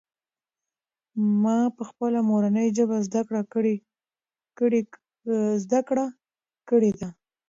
ما پخپله مورنۍ ژبه زده کړه کړې ده.